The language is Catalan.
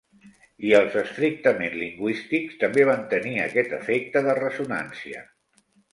I els estrictament lingüístics també van tenir aquest efecte de ressonància.